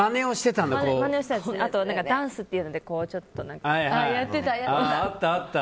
あと、ダンスっていうのであったあった。